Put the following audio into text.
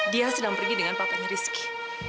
dia sedang pergi dengan papanya rizky